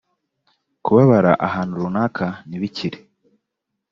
kubabara ahantu runaka ntibikire